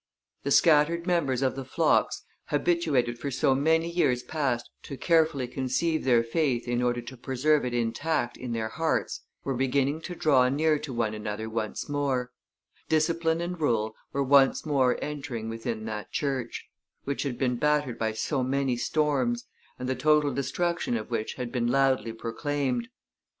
The scattered members of the flocks, habituated for so many years past to carefully conceal their faith in order to preserve it intact in their hearts, were beginning to draw near to one another once more; discipline and rule were once more entering within that church, which had been battered by so many storms, and the total destruction of which had been loudly proclaimed.